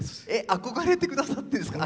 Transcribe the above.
憧れてくださってるんですか。